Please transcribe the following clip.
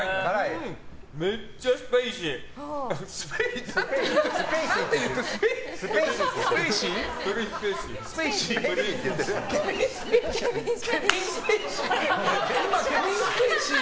めっちゃスペイシー。